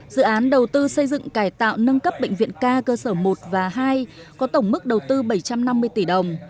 dự án đầu tư xây dựng cải tạo nâng cấp bệnh viện ca cơ sở một và hai có tổng mức đầu tư bảy trăm năm mươi tỷ đồng